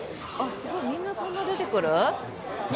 みんな、そんな出てくる？